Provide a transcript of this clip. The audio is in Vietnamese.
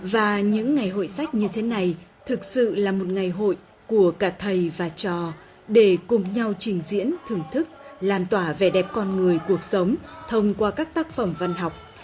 và những ngày hội sách như thế này thực sự là một ngày hội của cả thầy và trò để cùng nhau trình diễn thưởng thức lan tỏa vẻ đẹp con người cuộc sống thông qua các tác phẩm văn học